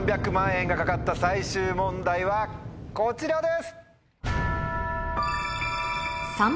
３００万円が懸かった最終問題はこちらです！